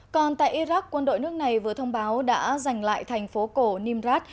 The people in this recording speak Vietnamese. còn tại iraq quân đội nước này vừa thông báo đã giành lại thành phố cổ nimrat